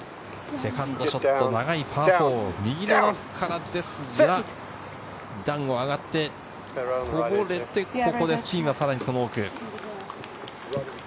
セカンドショット、長いパー４、右のラフからですが、段を上がって、ピンはその奥。